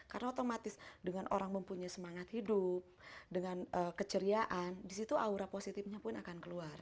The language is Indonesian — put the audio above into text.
karena otomatis dengan orang mempunyai semangat hidup dengan keceriaan disitu aura positifnya pun akan keluar